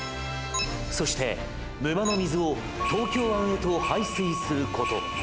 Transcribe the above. そして沼の水を東京湾へと排水すること。